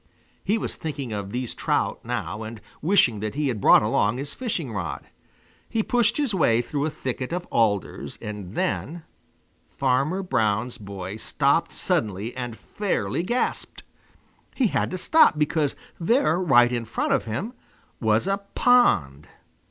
He was thinking of these trout now and wishing that he had brought along his fishing rod. He pushed his way through a thicket of alders and then Farmer Brown's boy stopped suddenly and fairly gasped! He had to stop because there right in front of him was a pond!